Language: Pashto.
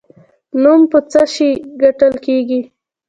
نوم په څه شي ګټل کیږي؟